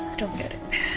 aduh gak ada